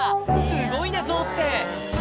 すごいね、象って。